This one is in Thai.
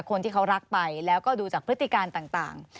คนที่เขารักไปแล้วก็ดูจากพฤติการต่าง